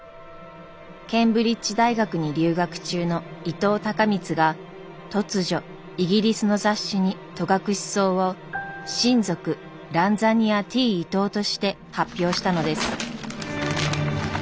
ケンブリッジ大学に留学中の伊藤孝光が突如イギリスの雑誌に戸隠草を新属ＲＡＮＺＡＮＩＡＴ．Ｉｔｏとして発表したのです。